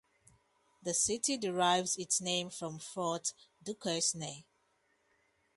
The city derives its name from Fort Duquesne.